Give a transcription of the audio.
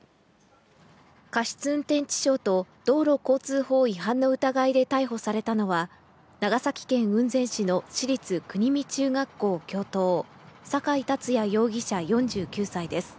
過失運転致傷と道交法違反の疑いで逮捕されたのは長崎県雲仙市の市立国見中学校、教頭・酒井竜也容疑者４９歳です。